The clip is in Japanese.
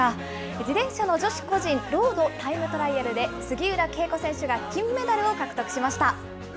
自転車の女子個人ロードタイムトライアルで、杉浦佳子選手が金メダルを獲得しました。